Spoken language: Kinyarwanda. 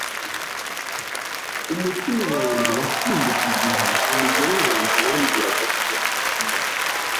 Umutima wanjye wasimbutse igihe umugore wanjye yambwiraga ko atwite.